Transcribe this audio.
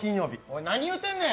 お前、何言うてんねん！